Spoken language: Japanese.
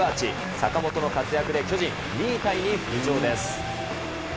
坂本の活躍で巨人、２位タイに浮上です。